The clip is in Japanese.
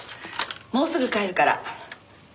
もうすぐ帰るから。